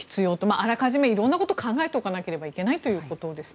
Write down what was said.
あらかじめ色んなことを考えておかなければいけないということですね。